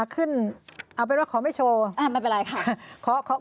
ขึ้นเอาเป็นว่าเขาไม่โชว์ไม่เป็นไรค่ะ